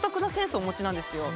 お持ちなんですよ。